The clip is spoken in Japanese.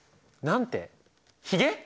何て？